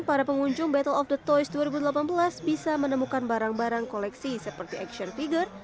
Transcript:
para pengunjung battle of the toys dua ribu delapan belas bisa menemukan barang barang koleksi seperti action figure